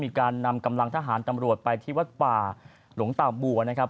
มีการนำกำลังทหารตำรวจไปที่วัดป่าหลวงตาบัวนะครับ